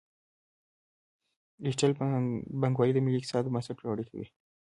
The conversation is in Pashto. ډیجیټل بانکوالي د ملي اقتصاد بنسټ پیاوړی کوي.